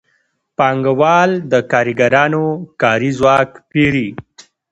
پانګوال د کارګرانو کاري ځواک پېري